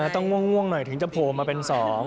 ต้องง่วงหน่อยถึงจะโผล่มาเป็น๒